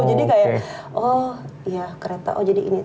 jadi kayak oh ya kereta oh jadi ini